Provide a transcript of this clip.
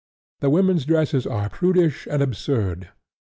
The women's dresses are prudish and absurd.